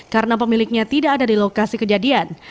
karena pemiliknya tidak ada di lokasi kejadian